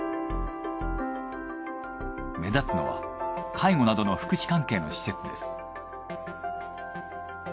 目立つのは介護などの福祉関係の施設です。